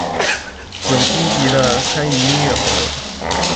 有积极的参与音乐活动。